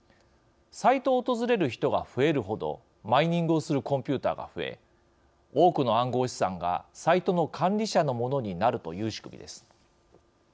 サイトを訪れる人が増えるほどマイニングをするコンピューターが増え多くの暗号資産がサイトの管理者のものになるという仕組みです。